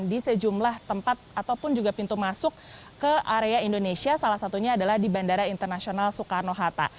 di sejumlah tempat ataupun juga pintu masuk ke area indonesia salah satunya adalah di bandara internasional soekarno hatta